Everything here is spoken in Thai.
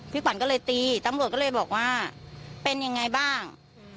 ขวัญก็เลยตีตำรวจก็เลยบอกว่าเป็นยังไงบ้าง